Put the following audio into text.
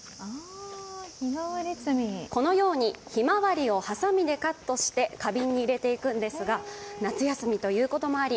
このようにひまわりをはさみでカットして、花瓶に入れていくんですが夏休みということもあり